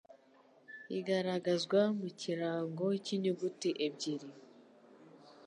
igaragazwa mu ikirango cy'inyuguti ebyeri .